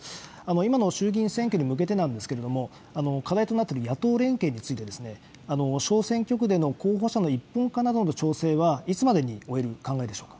今の衆議院選挙に向けてなんですけれども、課題となっている野党連携について、小選挙区での候補者の一本化などの調整は、いつまでに終える考えでしょうか。